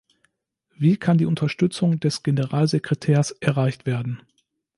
Wie kann die Unterstützung des Generalsekretärs erreicht werden?